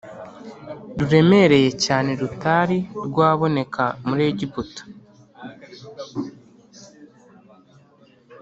ruremereye cyane rutari rwaboneka muri Egiputa